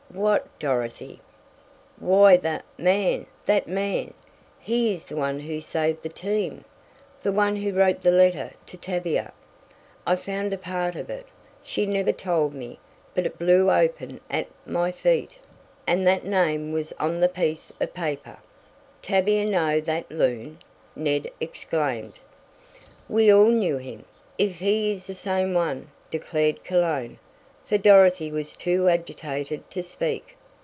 "What, Dorothy?" "Why the man! That man! He is the one who saved the team the one who wrote the letter to Tavia. I found a part of it. She never told me, but it blew open at my very feet. And that name was on the piece of paper!" "Tavia know that loon!" Ned exclaimed. "We all knew him if he is the same one," declared Cologne, for Dorothy was too agitated to speak.